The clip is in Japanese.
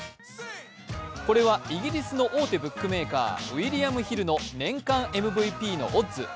これはイギリスの大手ブックメーカー、ウィリアムヒルの年間ＭＶＰのオッズ。